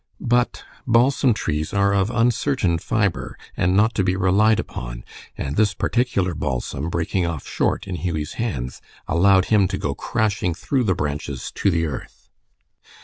But balsam trees are of uncertain fiber, and not to be relied upon, and this particular balsam, breaking off short in Hughie's hands, allowed him to go crashing through the branches to the earth.